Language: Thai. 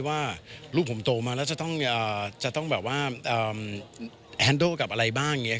ว่าลูกผมโตมาแล้วจะต้องแฮนดล์กับอะไรบ้าง